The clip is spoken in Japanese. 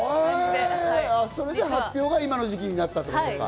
それで発表が今の時期になったということか。